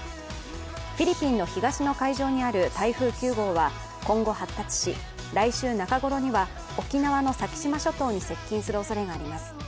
フィリピンの東の海上にある台風９号は今後発達し来週中頃には沖縄の先島諸島に接近するおそれがあります。